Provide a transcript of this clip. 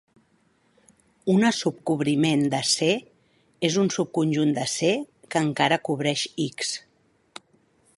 Una subcobriment de C és un subconjunt de C que encara cobreix X.